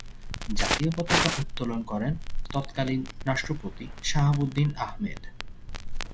জাতীয় পতাকা উত্তোলন করেন তৎকালীন রাষ্ট্রপতি শাহাবুদ্দিন আহমেদ।